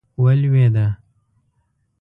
ولوېده.